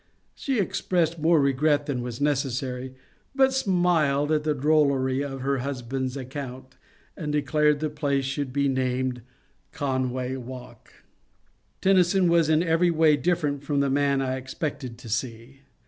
She expressed more regret than was necessary, but smiled at the drollery of her husband's account, and declared the place should be named Conway Walk. Tennyson was in every way different from the man I ex pected to see.